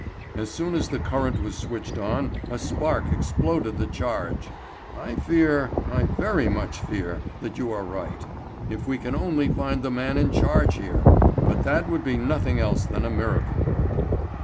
As soon as the current was switched on a spark exploded the charge. I fear, I very much fear, that you are right. If we can only find the man in charge here! But that would be nothing else than a miracle."